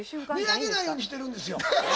見上げないようにしてるんですよ。